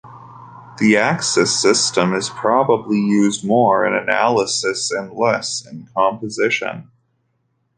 The axis system is probably used more in analysis, and less in composition.